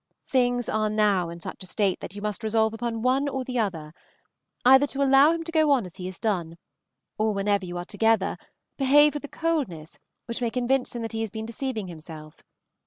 Things are now in such a state that you must resolve upon one or the other, either to allow him to go on as he has done, or whenever you are together behave with a coldness which may convince him that he has been deceiving himself.